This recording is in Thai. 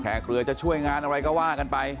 แขกเหลือช่วยงานอะไรก็ว่ากันไป